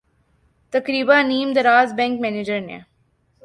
تقریبا نیم دراز بینک منیجر نے